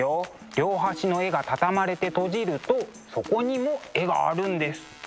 両端の絵が畳まれて閉じるとそこにも絵があるんです。